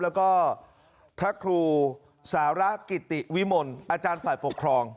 แล้วก็พระครูสาระกิติวิมลอาจารย์ฝ่ายปกครอง